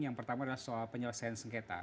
yang pertama adalah soal penyelesaian sengketa